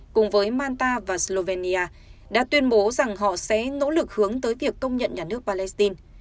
cùng với manta và slovenia đã tuyên bố rằng họ sẽ nỗ lực hướng tới việc công nhận nhà nước palestine